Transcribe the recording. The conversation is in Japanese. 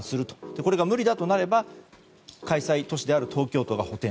これが無理だとなれば開催都市である東京都が補填と。